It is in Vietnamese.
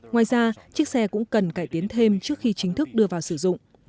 ngoài ra chiếc xe cũng cần cải tiến thêm trước khi chính thức đưa vào sử dụng